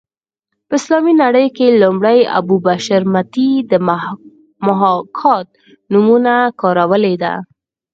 په اسلامي نړۍ کې لومړی ابو بشر متي د محاکات نومونه کارولې ده